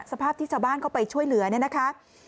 สภาพที่ชาวบ้านเข้าไปช่วยเหลือเนี่ยนะคะ